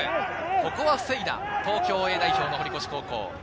ここは防いだ、東京Ａ代表・堀越高校。